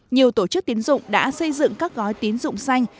nhiều tổ chức tiến dụng đã xây dựng các gói tín dụng xanh